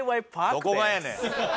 どこがやねん。